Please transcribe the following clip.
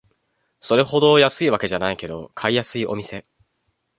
それほど安いわけじゃないけど買いやすいお店